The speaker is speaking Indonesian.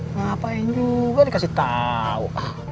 ngapain juga dikasih tau